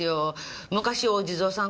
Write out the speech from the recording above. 昔お地蔵さん